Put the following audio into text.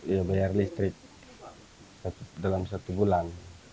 ya bayar listrik dalam satu bulan